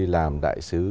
làm đại sứ